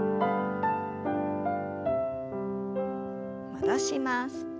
戻します。